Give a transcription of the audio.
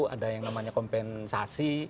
ada yang namanya kompensasi